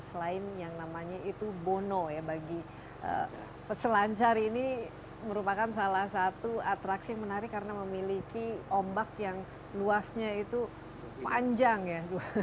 selain yang namanya itu bono ya bagi peselancar ini merupakan salah satu atraksi yang menarik karena memiliki ombak yang luasnya itu panjang ya